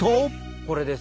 これです。